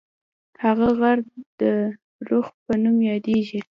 هغه غر د رُخ په نوم یادیږي.